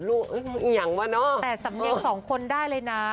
แต่สำเนียง๒คนได้เลยนะ